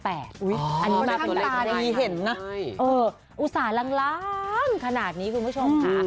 อันนี้หน้าตาดีเห็นนะอุตส่าหลางขนาดนี้คุณผู้ชมค่ะ